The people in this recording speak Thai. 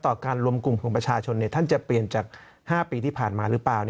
การรวมกลุ่มของประชาชนท่านจะเปลี่ยนจาก๕ปีที่ผ่านมาหรือเปล่า